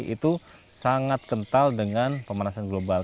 itu sangat kental dengan pemanasan global